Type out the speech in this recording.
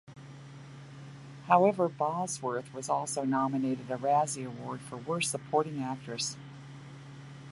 However, Bosworth was also nominated a Razzie Award for Worst Supporting Actress.